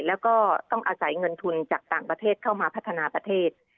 แล้วก็ต้องอาศัยเงินทุนจากต่างประเทศเข้ามาพัฒนาประเทศ